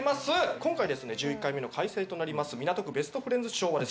今回ですね１１回目の開催となります港区ベストフレンズＳＨＯＷはですね